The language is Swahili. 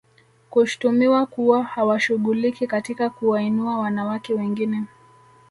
Kushtumiwa kuwa hawashughuliki katika kuwainua wanawake wengine